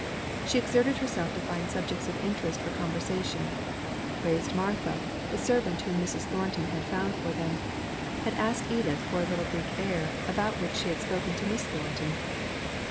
She exerted herself to find subjects of interest for conversation; praised Martha, the servant whom Mrs. Thornton had found for them: had asked Edith for a little Greek air, about which she had spoken to Miss Thornton.